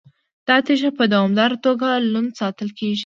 دا تیږه په دوامداره توګه لوند ساتل کیږي.